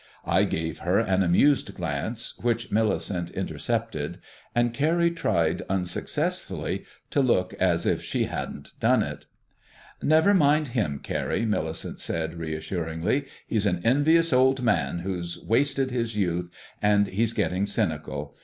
I gave her an amused glance, which Millicent intercepted, and Carrie tried, unsuccessfully, to look as if she hadn't done it. "Never mind him, Carrie," Millicent said reassuringly. "He's an envious old man, who's wasted his youth, and he's getting cynical.